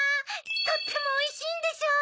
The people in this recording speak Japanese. とってもおいしいんでしょう？